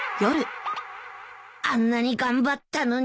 あんなに頑張ったのに。